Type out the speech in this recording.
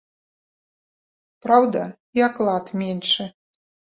Праўда, і аклад меншы.